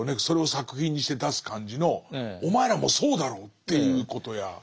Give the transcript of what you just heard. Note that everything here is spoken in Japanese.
それを作品にして出す感じのお前らもそうだろう？っていうことや。